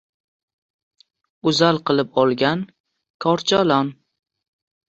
oʼzal qilib olgan korchalon